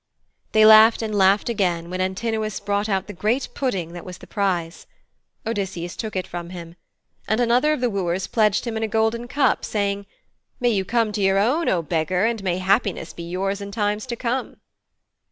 They laughed and laughed again when Antinous brought out the great pudding that was the prize. Odysseus took it from him. And another of the wooers pledged him in a golden cup, saying, 'May you come to your own, O beggar, and may happiness be yours in time to come.'